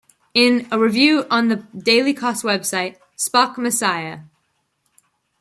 In a review of the book on the Daily Kos website, Spock, Messiah!